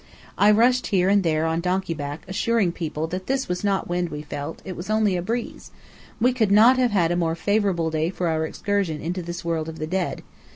I rushed here and there on donkey back assuring people that this was not wind we felt: it was only a breeze. We could not have a more favourable day for our excursion into this world of the dead.